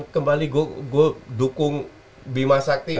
kembali gue dukung bima sakti